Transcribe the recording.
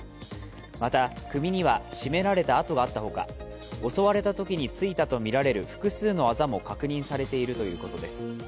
また、首には絞められた痕があったほか、襲われたときについたとみられる複数のあざも確認されているということです。